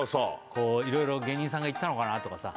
いろいろ芸人さんが行ったのかなとかさ